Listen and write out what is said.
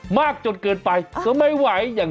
ใสกิ๊กใสกิ๊ก